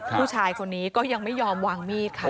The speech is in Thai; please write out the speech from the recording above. ผู้ชายคนนี้ก็ยังไม่ยอมวางมีดค่ะ